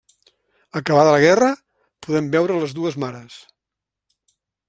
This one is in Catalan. Acabada la guerra, podem veure les dues mares.